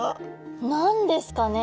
何ですかね？